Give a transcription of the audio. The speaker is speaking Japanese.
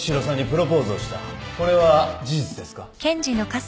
これは事実ですか？